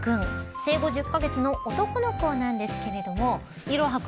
生後１０カ月の男の子なんですがいろは君